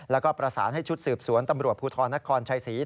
แล้วก็ประสานให้ชุดสืบสวนตำรวจภูทรนครชัยศรี